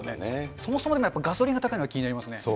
そもそもガソリンが高いのは気になりますね。